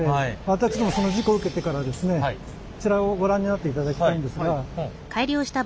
私どもその事故を受けてからですねこちらをご覧になっていただきたいんですが。